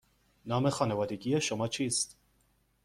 نام خانوادگی شما چیست؟